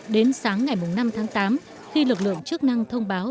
đến sáng ngày năm tháng tám khi lực lượng chức năng thông báo